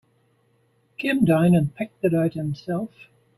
Came down and picked it out himself.